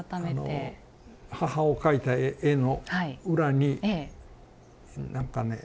あの母を描いた絵の裏になんかね